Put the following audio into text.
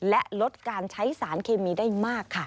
และลดการใช้สารเคมีได้มากค่ะ